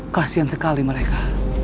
kasian sekali mereka